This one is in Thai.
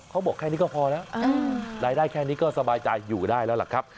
เขาบอกแค่นี้ก็พอแล้วรายได้แค่นี้ก็สบายใจอยู่ได้แล้วล่ะครับ